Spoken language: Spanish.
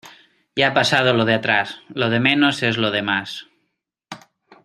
Ya pasado lo de atrás, lo de menos es lo demás.